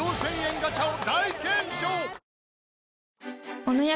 ガチャを大検証！